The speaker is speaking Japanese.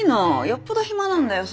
よっぽど暇なんだよ